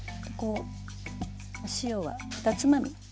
お塩は２つまみ。